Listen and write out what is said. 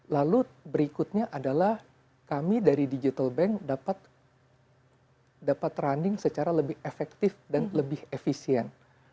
lalu berikutnya adalah kami dari digital bank dapat running secara lebih efektif dan lebih efisien